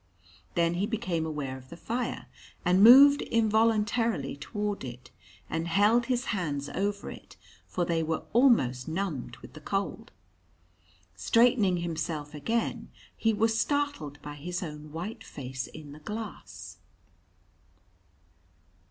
Then he became aware of the fire, and moved involuntarily towards it, and held his hands over it, for they were almost numbed with the cold. Straightening himself again, he was startled by his own white face in the glass.